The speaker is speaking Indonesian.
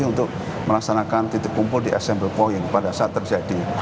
untuk melaksanakan titik kumpul di smp point pada saat terjadi